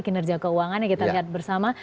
kinerja keuangan yang kita lihat bersama